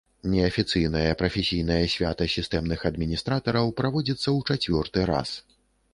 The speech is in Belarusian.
Неафіцыйнае прафесійнае свята сістэмных адміністратараў праводзіцца ў чацвёрты раз.